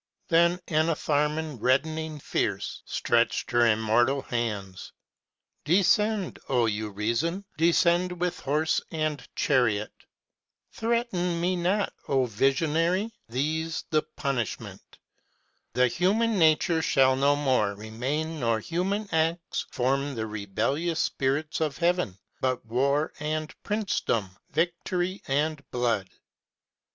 Then Enitharmon reddening fierce stretched her im mortal hands : â Descend, O Urizen, descend with horse and chariot, â Threaten me not, O Visionary, these the punishment, â 295 The Human Nature shall no more remain nor Human acts Form the rebellious spirits of Heaven, but war and princedom, victory and blood.